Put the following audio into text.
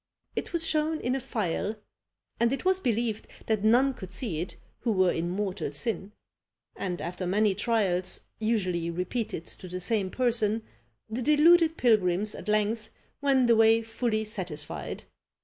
It was shown in a phial, and it was believed that none could see it who were in mortal sin; and after many trials usually repeated to the same person, the deluded pilgrims at length went away fully satisfied.